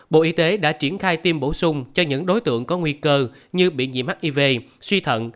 bộ y tế đã triển khai tiêm bổ sung cho những đối tượng có nguy cơ như bị dị hiv suy thận